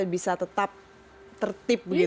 bisa tetap tertib begitu